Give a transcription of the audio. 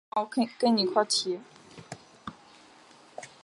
她的干练很好地平衡了里赫特冲动的个性。